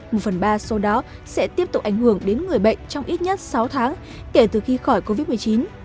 một phần ba số đó sẽ tiếp tục ảnh hưởng đến người bệnh trong ít nhất sáu tháng kể từ khi khỏi covid một mươi chín